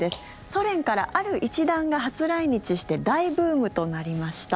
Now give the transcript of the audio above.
ソ連からある一団が初来日して大ブームとなりました。